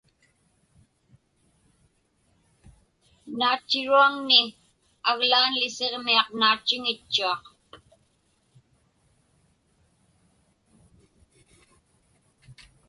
Naatchiruaŋni aglaanli Siġmiaq naatchiŋitchuaq.